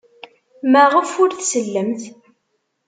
Maɣef ur tsellemt?